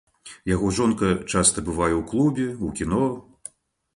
Яго жонка часта бывае ў клубе, у кіно.